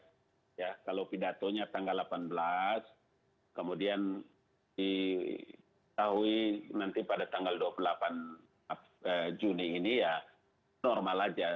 kalau pidatonya tanggal delapan belas kemudian diketahui nanti pada tanggal dua puluh delapan juni ini ya normal aja